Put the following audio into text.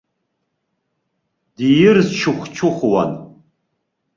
Дирчыхәчыхәуан.